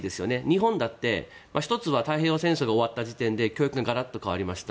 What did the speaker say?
日本だって、１つは太平洋戦争が終わった時点で教育がガラッと変わりました。